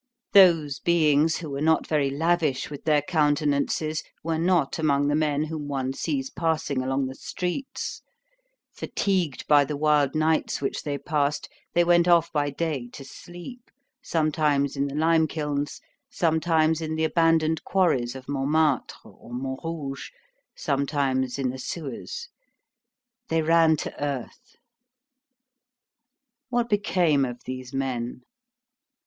Those beings, who were not very lavish with their countenances, were not among the men whom one sees passing along the streets. Fatigued by the wild nights which they passed, they went off by day to sleep, sometimes in the lime kilns, sometimes in the abandoned quarries of Montmatre or Montrouge, sometimes in the sewers. They ran to earth. What became of these men?